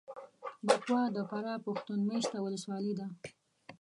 بکوا دفراه پښتون مېشته ولسوالي ده